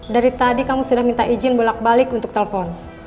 dari tadi kamu sudah minta izin bolak balik untuk telepon